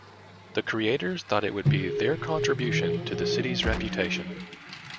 The creators thought it would be their contribution to the city's reputation.